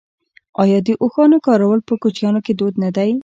آیا د اوښانو کارول په کوچیانو کې دود نه دی؟